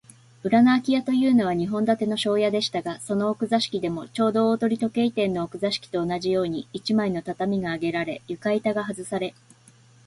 裏のあき家というのは、日本建ての商家でしたが、その奥座敷でも、ちょうど大鳥時計店の奥座敷と同じように、一枚の畳があげられ、床板がはずされ、